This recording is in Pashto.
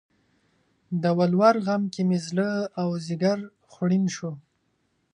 د ولور غم کې مې زړه او ځیګر خوړین شو